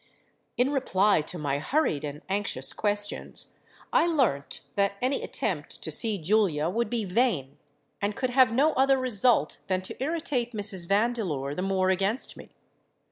"In reply to my hurried and anxious questions, I learnt that any attempt to see Julia would be vain, and could have no other result than to irritate Mrs. Vandeleur the more against me.